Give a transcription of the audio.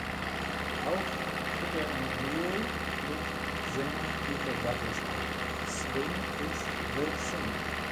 Auch tritt er im Duo mit Sänger Peter Douglas auf ("Swing Is the Thing").